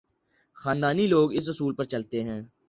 خاندانی لوگ اسی اصول پہ چلتے ہیں۔